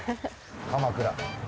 鎌倉。